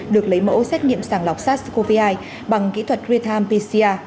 được lấy mẫu xét nghiệm sàng lọc sars cov hai bằng kỹ thuật ritam pcr